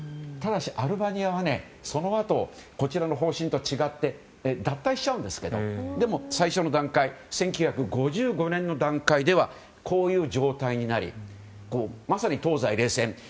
ただし、アルバニアはそのあとこちらの方針と違って脱退しちゃうんですけどでも、最初の段階１９５５年の段階ではこういう状態になりまさに東西冷戦。